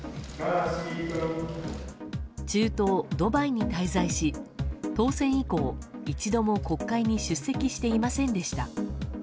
中東ドバイに滞在し当選以降一度も国会に出席していませんでした。